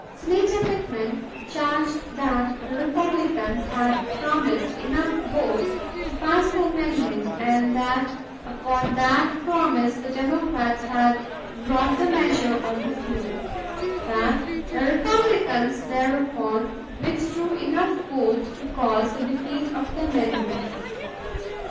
Senator Pittman charged that the Republicans had promised enough votes to pass the amendment and that upon that promise the Democrats had brought the measure on the floor; that the Republicans thereupon withdrew enough votes to cause the defeat of the amendment.